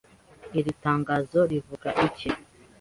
Iri tangazo rivuga iki